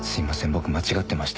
僕間違ってました。